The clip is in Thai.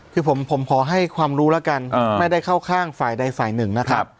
คือผมขอให้ความรู้แล้วกันไม่ได้เข้าข้างฝ่ายใดฝ่ายหนึ่งนะครับ